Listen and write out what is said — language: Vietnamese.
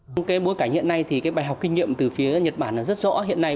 trong bối cảnh hiện nay thì bài học kinh nghiệm từ phía nhật bản rất rõ hiện nay